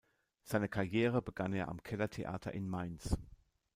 Seine Karriere begann er am Kellertheater in Mainz.